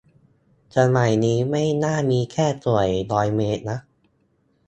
สมัยนี้ไม่น่ามีแค่สวยร้อยเมตรนะ